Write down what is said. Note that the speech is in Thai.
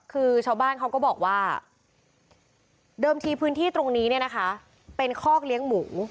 คือชาวบ้านเขาก็บอกว่าเดิมทีพื้นที่ตรงนี้เนี่ยนะคะเป็นคอกเลี้ยงหมู